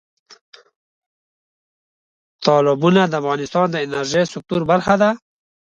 تالابونه د افغانستان د انرژۍ سکتور برخه ده.